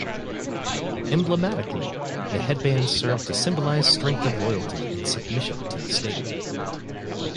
Emblematically, the headbands served to symbolize strength of loyalty and submission to the state.